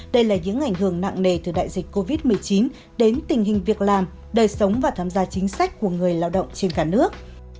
đây là những ảnh hưởng nặng nề từ đại dịch covid một mươi chín đến tình hình việc làm đời sống và tham gia chính sách của người lao động trên cả nước